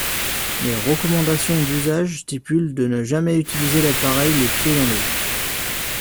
Les recommandations d'usage stipulent de ne jamais utiliser l'appareil les pieds dans l'eau.